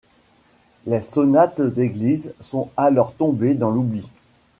Les sonates d'église sont alors tombées dans l'oubli.